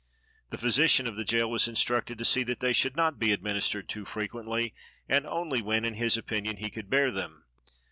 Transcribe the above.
The physician of the jail was instructed to see that they should not be administered too frequently, and only when, in his opinion, he could bear them.